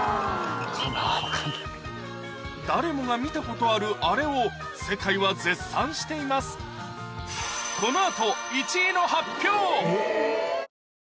誰もが見たことあるあれを世界は絶賛していますびっくりじゃない？